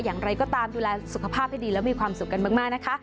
อย่างไรก็ตามดูแลสุขภาพให้ดีแล้วมีความสุขกันมากนะคะ